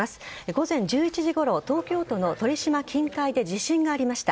午前１１時ごろ東京都の鳥島近海で地震がありました。